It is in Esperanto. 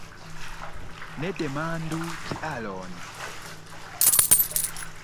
Ne demandu kialon!